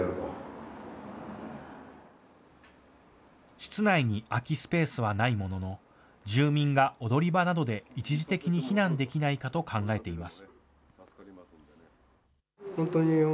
室内に空きスペースはないものの、住民が踊り場などで一時的に避難できないかと考えています。